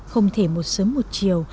không thể một sớm một chiều